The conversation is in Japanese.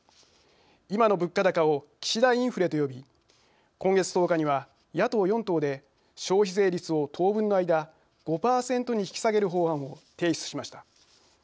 今の物価高を岸田インフレと呼び今月１０日には、野党４党で消費税率を当分の間５％に引き下げる法案を提出しました。